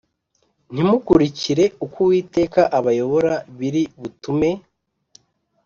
Ntimukurikire uko uwiteka abayobora biri butume